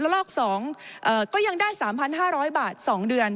ลอก๒ก็ยังได้๓๕๐๐บาท๒เดือน